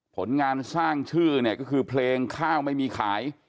ผลงานสร้างชื่อเนี่ยก็คือเพลงข้าวไม่มีขาย